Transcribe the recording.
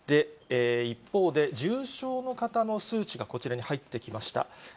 一方で、重症の方の数値がこちらに入ってきました。